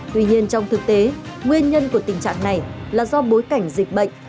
tuy nhiên trong thực tế nguyên nhân của tình trạng này là do bối cảnh dịch bệnh